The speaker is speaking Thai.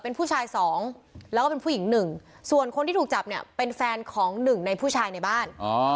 เป็นผู้ชายสองแล้วก็เป็นผู้หญิงหนึ่งส่วนคนที่ถูกจับเนี่ยเป็นแฟนของหนึ่งในผู้ชายในบ้าน